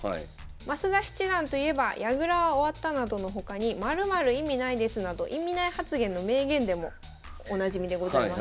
増田七段といえば「矢倉は終わった」などの他に「○○意味ないです」など意味ない発言の名言でもおなじみでございます。